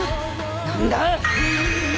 何だ？